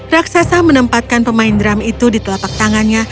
raksasa menempatkan pemain drum itu di telapak tangannya